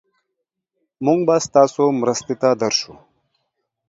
مونږ به ستاسو مرستې ته درشو.